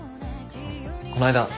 こないだ